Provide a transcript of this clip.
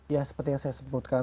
ya seperti yang saya sebutkan